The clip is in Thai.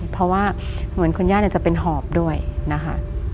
เพราะว่าเหมือนคุณย่าจะเป็นหอบด้วยนะคะ